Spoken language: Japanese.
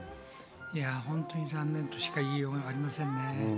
本当に残念としか言いようがありません。